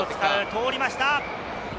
通りました！